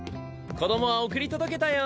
子どもは送り届けたよ。